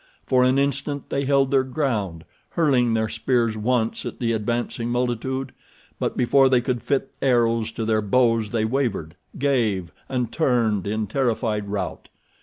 For an instant they held their ground, hurling their spears once at the advancing multitude; but before they could fit arrows to their bows they wavered, gave, and turned in terrified rout.